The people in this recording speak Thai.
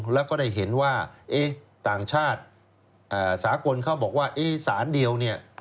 แล้วก็ได้เห็นว่าต่างชาติสากลเขาบอกว่าสารเดียวเนี่ย